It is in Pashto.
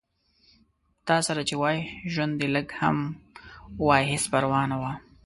تاسره چې وای ژوند دې لږ هم وای هېڅ پرواه نه وه